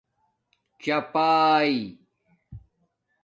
چپائ